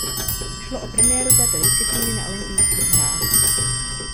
Šlo o premiéru této disciplíny na olympijských hrách.